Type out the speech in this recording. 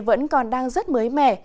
vẫn còn đang rất mới mẻ